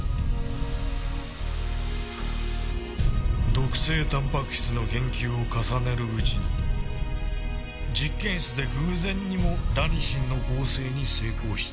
毒性タンパク質の研究を重ねるうちに実験室で偶然にもラニシンの合成に成功した。